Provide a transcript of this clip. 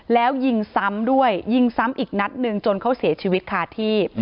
แล้วยิงซ้ำด้วยยิงซ้ำอีกนัดหนึ่งจนเขาเสียชีวิตคาที่